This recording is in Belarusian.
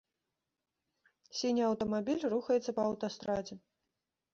Сіні аўтамабіль рухаецца па аўтастрадзе.